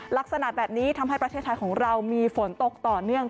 ลักษณะแบบนี้ทำให้ประเทศไทยของเรามีฝนตกต่อเนื่อง